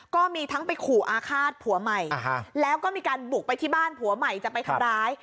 ก็มีทั้งไปขู่อาฆาตผัวใหม่แล้วก็มีการบุกไปที่บ้านผัวใหม่จะไปทำร้าย